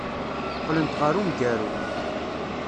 Qqlent ɣer umgaru.